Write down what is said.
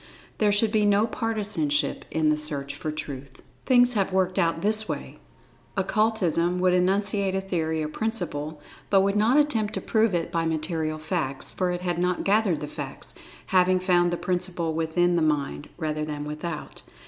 There should be no partisanship in the search for Truth. Things have worked this way: Occultism would enunciate a theory or principle—but would not attempt to prove it by material facts, for it had not gathered the facts, having found the principle within the mind, rather than without.